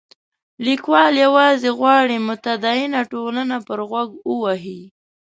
لیکوال یوازې غواړي متدینه ټولنه پر غوږ ووهي.